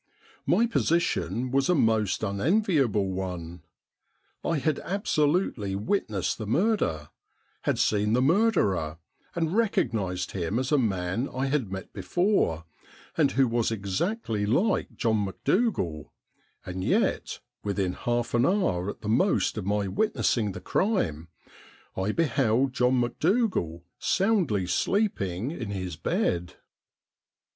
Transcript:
My position was a most unenviable one. I had absolutely witnessed the murder, had seen the murderer, and recognised him as a man I had met before, and who was exactly like John Macdougal, and yet, within half an hour at the most of my witnessing the crime, I beheld John Macdougal soundly sleeping in his bed.